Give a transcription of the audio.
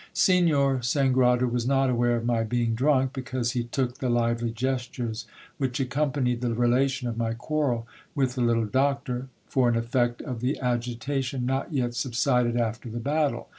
Signor Sangrado was not aware of my being drunk, because he took the lively gestures which accompanied the relation of my quarrel with the little doctor, for an effect of the agitation not yet subsided after the battle.